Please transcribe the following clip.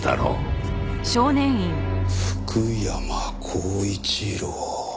福山光一郎。